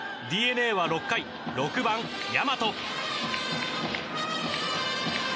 ＤｅＮＡは６回、６番、大和。